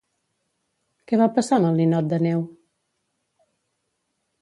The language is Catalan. Què va passar amb el ninot de neu?